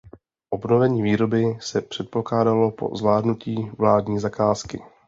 Obnovení výroby se předpokládalo po zvládnutí vládní zakázky.